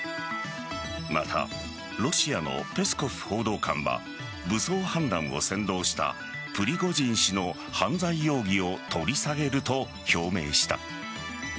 また、ロシアのペスコフ報道官は武装反乱を扇動したプリゴジン氏の犯罪容疑を取り下げると表明した。